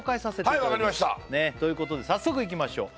はいわかりましたということで早速いきましょう